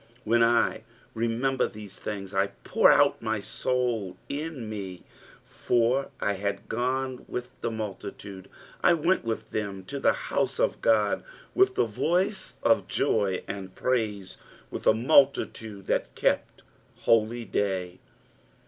4 When I remember these tkings, I pour out my soul in me : for I had gone with the multitude, I went with them to the house of God, with the voice of joy and praise, with a multitude that kept holyday.